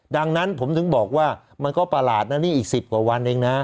ดังนั้นผมถึงบอกว่ามันก็ประหลาดนะนี่อีก๑๐กว่าวันเองนะ